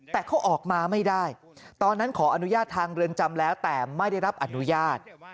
แต่เขาออกมาไม่ได้ตอนนั้นขออนุญาตทางเรือนจำแล้วแต่ไม่ได้รับอนุญาต